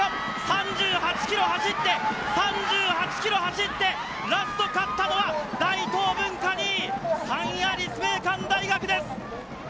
３８ｋｍ走って、３８ｋｍ走って、ラスト勝ったのは大東文化、２位！３位は立命館大学です！